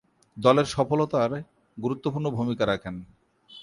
দলের সফলতায় গুরুত্বপূর্ণ ভূমিকা রাখেন।